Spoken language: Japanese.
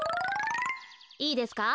いいですか？